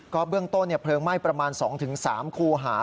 เบื้องต้นเพลิงไหม้ประมาณ๒๓คูหา